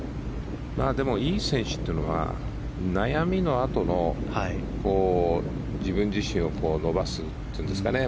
でもいい選手っていうのは悩みのあとの自分自身を伸ばすというんですかね